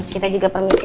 kita juga permisi